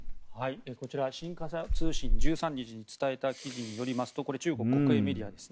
新華社通信が１３日に伝えた記事によりますと中国国営メディアです。